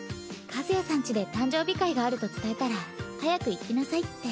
和也さん家で誕生日会があると伝えたら早く行きなさいって。